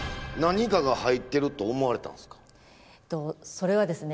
それはですね